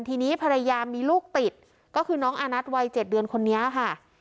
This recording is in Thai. ทีนี้ภรรยามีลูกติดก็คือน้องอานัทวัย๗เดือนคนนี้ค่ะ